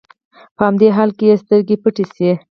په همدې حال کې يې سترګې پټې شي.